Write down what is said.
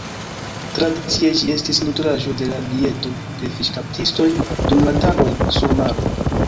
Tradicie ĝi estis nutraĵo de la dieto de fiŝkaptistoj dum la tagoj sur maro.